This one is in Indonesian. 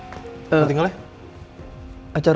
soalnya gua buru buru banget nih ada acara